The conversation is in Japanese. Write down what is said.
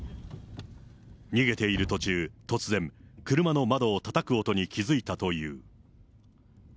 逃げている途中、突然、車の窓をたたく音に気付いたという。